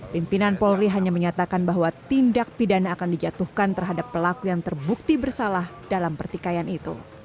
pimpinan polri hanya menyatakan bahwa tindak pidana akan dijatuhkan terhadap pelaku yang terbukti bersalah dalam pertikaian itu